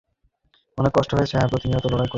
সে অনেক কষ্টে আছে হ্যা, সে প্রতিনিয়ত লড়াই করে যাচ্ছে।